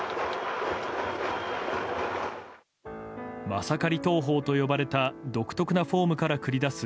マサカリ投法と呼ばれた独特なフォームから繰り出す